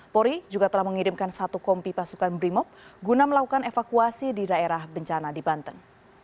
pori juga telah mengirimkan satu kompi pasukan brimop guna melakukan evakuasi di daerah bencana di banten